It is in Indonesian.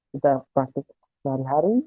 kita praktik sehari hari